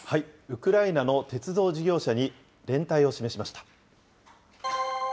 ウクライナの鉄道事業者に連帯を示しました。